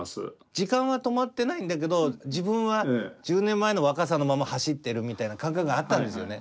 時間は止まってないんだけど自分は１０年前の若さのまま走ってるみたいな感覚があったんですよね。